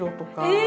え！